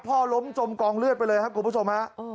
พ่อล้มจมกองเลือดไปเลยครับคุณผู้ชมฮะ